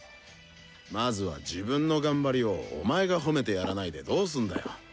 まずは自分の頑張りをお前が褒めてやらないでどうすんだよ？